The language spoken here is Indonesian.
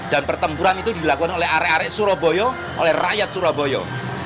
dan pertempuran itu dilakukan oleh are are surabaya oleh rakyat surabaya